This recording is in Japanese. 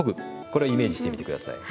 これをイメージしてみて下さい。